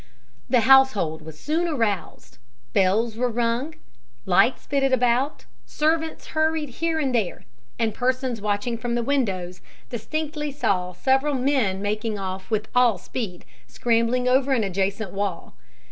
The household was soon aroused; bells were rung, lights flitted about, servants hurried here and there; and persons watching from the windows distinctly saw several men making off with all speed, and scrambling over an adjacent wall.